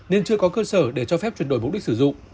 nên chưa có cơ sở để cho phép chuyển đổi mục đích sử dụng